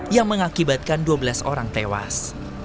yang mengakibatkan dua belas orang tewas